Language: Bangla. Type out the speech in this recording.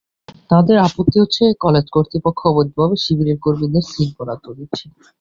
তাঁদের আপত্তি হচ্ছে, কলেজ কর্তৃপক্ষ অবৈধভাবে শিবিরের কর্মীদের সিট বরাদ্দ দিচ্ছেন।